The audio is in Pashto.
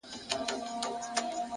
علم د فکر وسعت پراخوي!